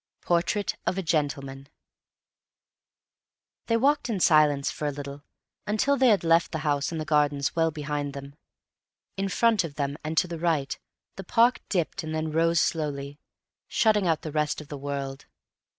Portrait of a Gentleman They walked in silence for a little, until they had left the house and gardens well behind them. In front of them and to the right the park dipped and then rose slowly, shutting out the rest of the world.